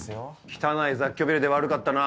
汚い雑居ビルで悪かったな。